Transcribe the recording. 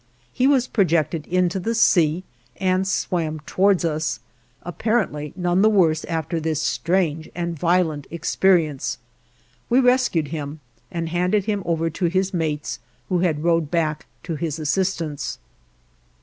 He was projected into the sea, and swam towards us, apparently none the worse after this strange and violent experience. We rescued him and handed him over to his mates, who had rowed back to his assistance.